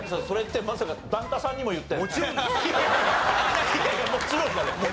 それってまさか段田さんにも言ってるの？